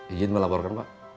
ijin melaporkan pak